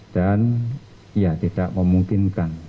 dan ya tidak memungkinkan